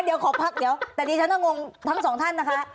เดี๋ยวก็พักเดี๋ยวแต่ทีนี้ฉันต้องงงทำสองท่านนะคะ